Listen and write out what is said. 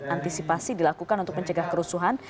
antisipasi dilakukan untuk mencegah kerusuhan